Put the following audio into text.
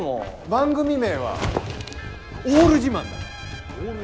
番組名は「オール自慢」だ！